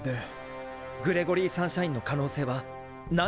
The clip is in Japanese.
グレゴリー・サンシャインの可能性はないってこと？